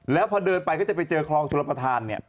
แล้วพอเดินไปก็จะไปเจอคลองชลประธานเนี่ย